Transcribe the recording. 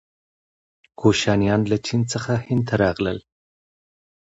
کوشانیان له چین څخه هند ته راغلل.